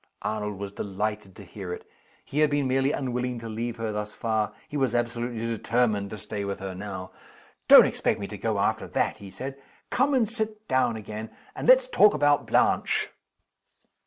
Arnold was delighted to hear it. He had been merely unwilling to leave her thus far. He was absolutely determined to stay with her now. "Don't expect me to go after that!" he said. "Come and sit down again, and let's talk about Blanche."